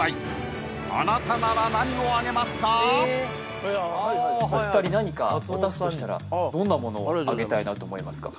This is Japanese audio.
ここからはお題はお二人何か渡すとしたらどんなものをあげたいなと思いますか？